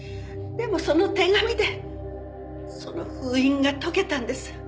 でもその手紙でその封印が解けたんです。